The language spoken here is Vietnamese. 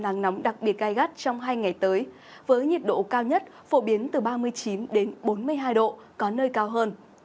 nắng nóng đặc biệt gai gắt trong hai ngày tới với nhiệt độ cao nhất phổ biến từ ba mươi chín bốn mươi hai độ có nơi cao hơn